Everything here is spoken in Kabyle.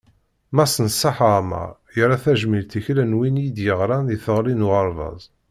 Mass Neṣṣaḥ Ɛmer, yerra tajmilt i kra n win i d-yerran i teɣri n uɣerbaz.